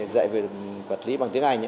dạy về vật lý bằng tiếng anh